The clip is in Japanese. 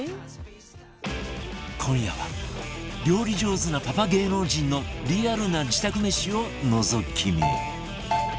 今夜は料理上手なパパ芸能人のリアルな自宅めしをのぞき見